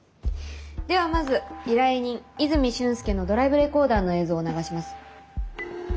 ではまず依頼人泉駿介のドライブレコーダーの映像を流します。